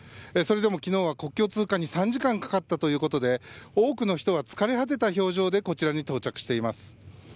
それでも昨日は国境通過に３時間かかったということで多くの人は疲れ果てた表情でこちらに到着しています。